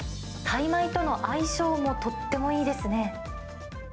タイ米との相性もとってもいいですね。